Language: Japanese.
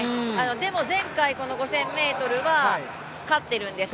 でも、前回この５０００ｍは勝っているんです。